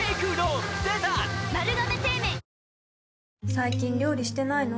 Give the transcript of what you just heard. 最近料理してないの？